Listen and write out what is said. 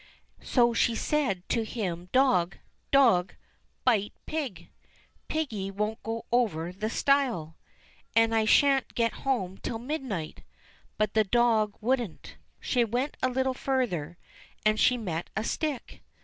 So she said to him, " Dog ! dog ! bite pig ; piggy won't go over the stile ; and I shan't get home till midnight." But the dog wouldn't. She went a little further, and she met a stick.